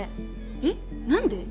えっ何で？